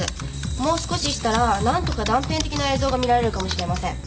もう少ししたらなんとか断片的な映像が見られるかもしれません。